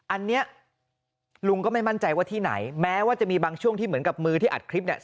อันนี้ลุงก็ไม่มั่นใจว่าที่ไหนแม้ว่าจะมีบางช่วงที่เหมือนกับมือที่อัดคลิปเนี่ย